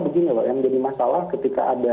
begini loh yang menjadi masalah ketika ada